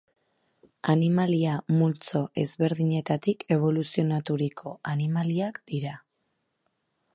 Animalia-multzo ezberdinetatik eboluzionaturiko animaliak dira.